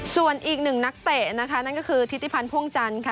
ส่วนอีกหนึ่งนักเตะนะคะนั่นก็คือทิติพันธ์พ่วงจันทร์ค่ะ